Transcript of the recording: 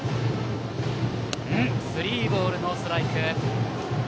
スリーボールノーストライク。